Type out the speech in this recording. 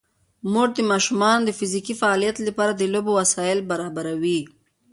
مور د ماشومانو د فزیکي فعالیت لپاره د لوبو وسایل برابروي.